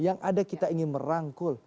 yang ada kita ingin merangkul